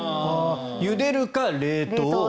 ゆでるか冷凍。